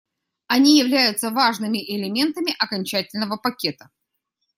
Они являются важными элементами окончательного пакета.